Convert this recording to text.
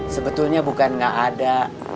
sebetulnya bukan nggak ada